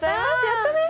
やったね！